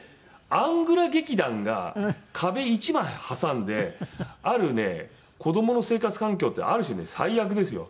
アングラ劇団が壁一枚挟んであるね子どもの生活環境ってある種ね最悪ですよ。